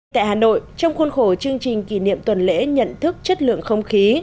tại hà nội trong khuôn khổ chương trình kỷ niệm tuần lễ nhận thức chất lượng không khí